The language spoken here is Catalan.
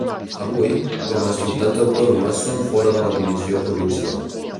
Avui, com a ciutats autònomes són fora de la divisió provincial.